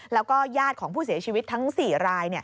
แล้วก็ญาติของผู้เสียชีวิตทั้ง๔ราย